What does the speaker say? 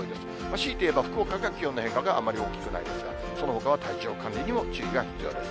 しいて言えば福岡が気温の変化があまり大きくないですが、そのほかは体調管理にも注意が必要です。